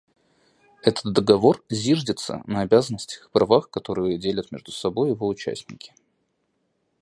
Этот Договор зиждется на обязанностях и правах, которые делят между собой его участники.